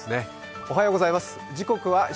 おはようございます。